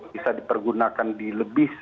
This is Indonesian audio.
bisa dipergunakan di lebih